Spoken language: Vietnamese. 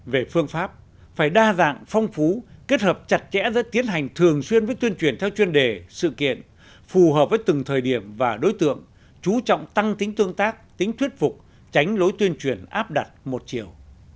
về phương pháp phải đa dạng phong phú kết hợp chặt chẽ giữa tiến hành thường xuyên với tuyên truyền theo chuyên đề sự kiện phù hợp với từng thời điểm và đối tượng chú trọng tăng tính tương tác tính thuyết phục tránh lối tuyên truyền áp đặt một chiều